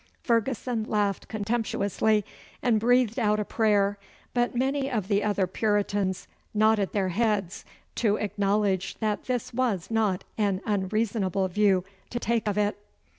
Ferguson laughed contemptuously, and breathed out a prayer, but many of the other Puritans nodded their heads to acknowledge that this was not an unreasonable view to take of it.